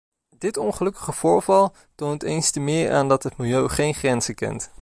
Dit ongelukkige voorval toont eens te meer aan dat het milieu geen grenzen kent.